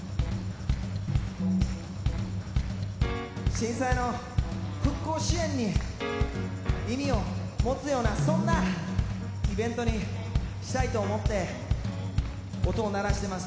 震災の復興支援に意味を持つようなそんなイベントにしたいと思って音を鳴らしてます。